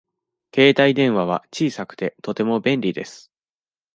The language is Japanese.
携帯電話は小さくて、とても便利です。